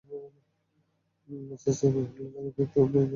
আইসিসের হামলার আগে পিকেকে দুজন তুর্কি পুলিশ হত্যার দায় স্বীকার করেছিল।